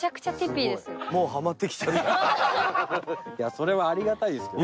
それはありがたいですけど。